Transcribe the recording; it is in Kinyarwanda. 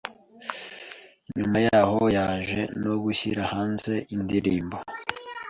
Nyuma yaho yaje no gushyira hanze indirimbo